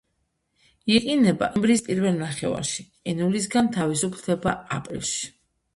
იყინება ნოემბრის პირველ ნახევარში, ყინულისგან თავისუფლდება აპრილში.